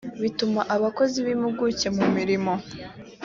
bituma abakozi b impuguke mu mirimo